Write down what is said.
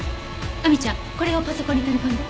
亜美ちゃんこれをパソコンに取り込んで。